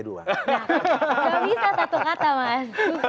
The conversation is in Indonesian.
nggak bisa satu kata mas